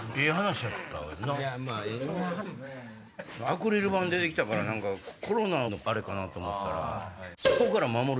アクリル板出て来たからコロナのあれかなと思ったら。